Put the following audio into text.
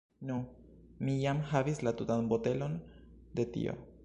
Nu, mi jam havis la tutan botelon de tio